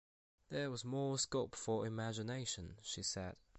‘There was more scope for imagination,’ she said.